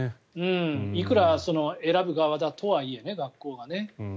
いくら選ぶ側だとはいえ学校がね。